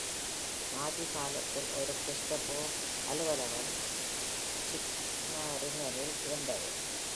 Nazi காலத்தில் ஒரு Gestapo அலுவலகம் சிக்மரிங்கனில் இருந்தது.